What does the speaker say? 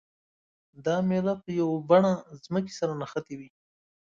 دا میله په یوه بڼه ځمکې سره نښتې وي.